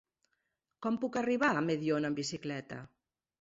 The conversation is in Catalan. Com puc arribar a Mediona amb bicicleta?